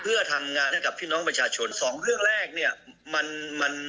เพื่อทำงานให้กับพี่น้องประชาชนสองเรื่องแรกเนี่ยมันมัน